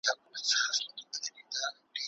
آیا د پوهنې په ریاستونو کي نوي ګمارنې سوي دي؟